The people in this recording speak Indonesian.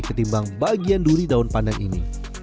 ketimbang bagian duri daun pandan ini